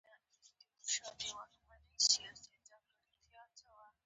کاستک سوډا یو عادي القلي ده.